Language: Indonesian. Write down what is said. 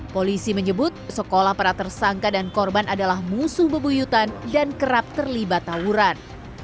polisi menyebut sekolah para tersangka dan korban adalah musuh bebuyutan dan kerap terlibat tawuran